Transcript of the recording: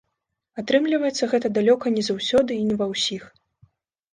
Атрымліваецца гэта далёка не заўсёды і не ва ўсіх.